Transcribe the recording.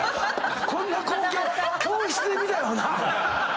こんな光景教室で見たよな